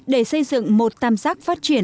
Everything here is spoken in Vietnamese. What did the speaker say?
để xây dựng một tam giác phát triển